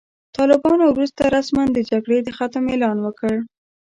طالبانو وروسته رسماً د جګړې د ختم اعلان وکړ.